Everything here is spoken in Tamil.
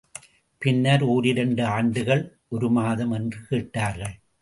பின்னர் ஓரிரண்டு ஆண்டுகள், ஒரு மாதம் என்று கேட்டார்கள்.